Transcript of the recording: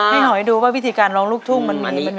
ให้หอยดูว่าวิธีการร้องลูกทุ่งมันมีขั้นตอนแบบนี้